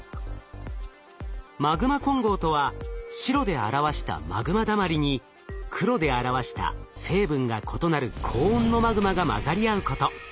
マグマ混合とは白で表したマグマだまりに黒で表した成分が異なる高温のマグマが混ざり合うこと。